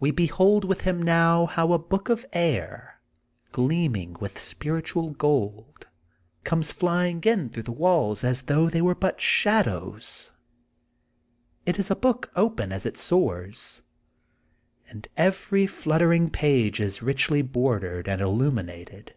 We behold with him how a book of air, gleaming with spiritual gold, comes flying in through the walls as though they were but shadows. It is a book open as it soars, and every flutter ing page is richly bordered and illuminated.